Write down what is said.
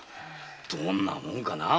どんなもんかなぁ？